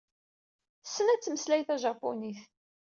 Tessen ad temmeslay tajapunit.